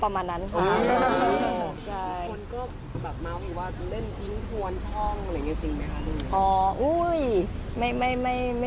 เป็นจริงหรือไม่จริง